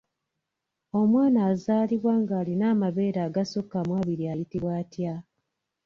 Omwana azaalibwa ng'alina amabeere agasukka mu abiri ayitibwa atya?